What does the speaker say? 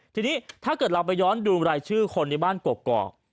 ทีนี้ถ้าเกิดเราไปย้อนดูรายชื่อคนในบ้านกกอก